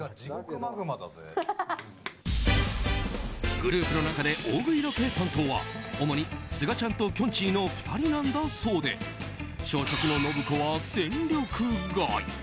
グループの中で大食いロケ担当は主にすがちゃんときょんちぃの２人なんだそうで小食の信子は戦力外。